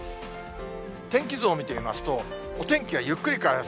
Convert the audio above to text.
天気図を見てみますと、お天気はゆっくり回復。